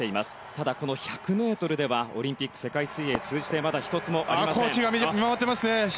ただ、この１００ｍではオリンピック、世界水泳通じてコーチが見守ってますね。